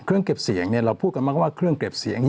เก็บเสียงเราพูดกันมากว่าเครื่องเก็บเสียง